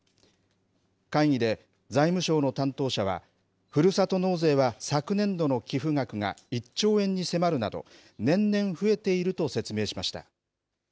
会議で、財務省の担当者は、ふるさと納税は昨年度の寄付額が１兆円に迫るなど、年々増えていると説明しました。